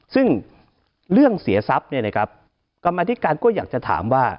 ซึ่งเรื่องเสียทรัพย์กรมาธิการก็อยากจะถามว่า